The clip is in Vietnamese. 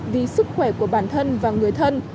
vì sức khỏe của bản thân và người thân